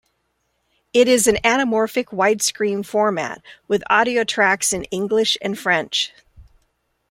It is in anamorphic widescreen format with audio tracks in English and French.